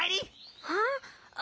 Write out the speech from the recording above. はあ？